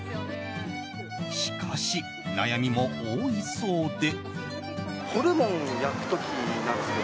しかし、悩みも多いそうで。